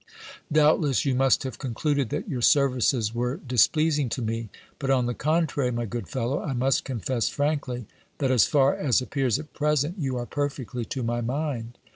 Doubtless you must have concluded that your services were displeasing to me ; but on the contrary, my good fellow, I must confess frankly, that, as far as appears at present, you are perfectly to my mind.